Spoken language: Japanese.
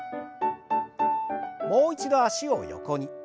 もう一度脚を横に。